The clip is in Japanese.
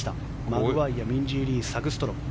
マグワイヤミンジー・リー、サグストロム。